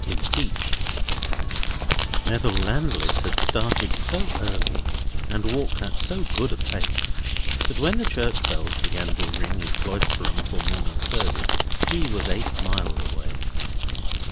IMPEACHED Neville Landless had started so early and walked at so good a pace, that when the church bells began to ring in Cloisterham for morning service, he was eight miles away.